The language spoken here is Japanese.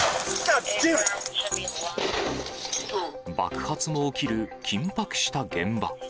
爆発も起きる緊迫した現場。